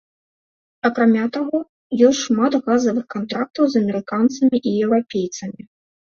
Акрамя таго, ёсць шмат газавых кантрактаў з амерыканцамі і еўрапейцамі.